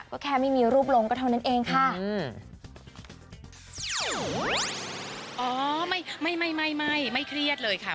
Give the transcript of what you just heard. ก็แค่ไม่มีรูปลงก็เท่านั้นเองค่ะอืมอ๋อไม่ไม่ไม่ไม่ไม่เครียดเลยค่ะ